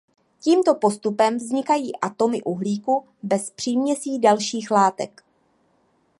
Tímto postupem vznikají atomy uhlíku bez příměsí dalších látek.